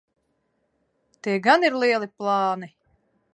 Tie gan ir lieli plāni.